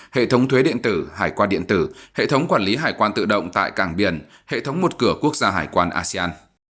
hệ thống quản lý hải quan tự động tại càng biển hệ thống một cửa quốc gia hải quan asean